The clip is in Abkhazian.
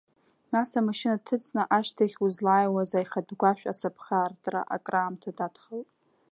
Нас, амашьына дҭыҵны, ашҭахь узлааиуаз аихатә гәашә ацаԥха аартра акраамҭа дадхалт.